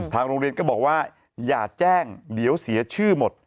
โรงเรียนก็บอกว่าอย่าแจ้งเดี๋ยวเสียชื่อหมด